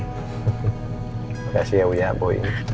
terima kasih ya bu